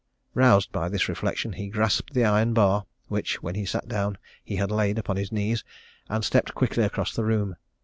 Roused by this reflection, he grasped the iron bar, which, when he sat down, he had laid upon his knees, and stepped quickly across the room.